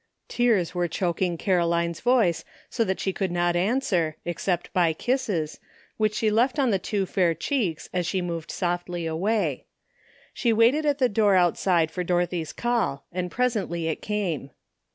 Tears were choking Caroline's voice so that she could not answer, except by kisses, which she left on the two fair cheeks as she moved softly away. She waited at the door outside for Dorothy's call, and presently it came.